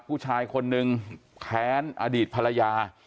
ผู้ชายคนนึงแค้นอดีตภรรยา